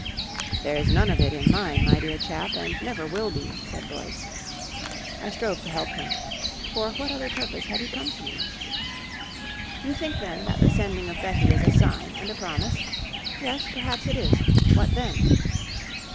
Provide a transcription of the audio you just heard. "There's none of it in mine, my dear chap, and never will be," said Boyce. I strove to help him. For what other purpose had he come to me? "You think then that the sending of Betty is a sign and a promise? Yes. Perhaps it is. What then?"